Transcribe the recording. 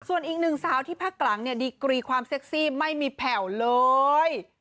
ส่วนอีกหนึ่งสาวที่พักหลังเนี่ยดีกรีความเซ็กซี่ไม่มีแผ่วเลย